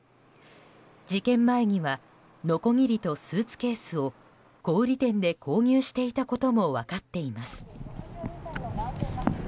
事件前にはのこぎりとスーツケースを小売店で購入していたことも分かっています。